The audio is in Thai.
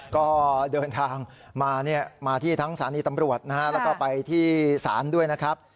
ก็เดินทางมาที่ทั้งสารณีตำรวจและไปที่ศาลด้วยนะครับ